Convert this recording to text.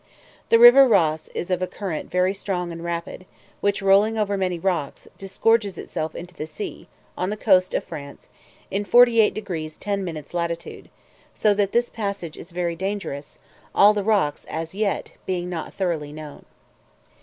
The river Ras is of a current very strong and rapid, which, rolling over many rocks, disgorges itself into the sea, on the coast of France, in 48 deg. 10 min. latitude; so that this passage is very dangerous, all the rocks, as yet, being not thoroughly known.